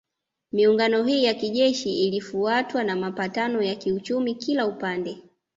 Miungano hii ya kijeshi ilifuatwa na mapatano ya kiuchumi kila upande